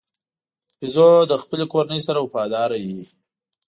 بیزو د خپلې کورنۍ سره وفاداره وي.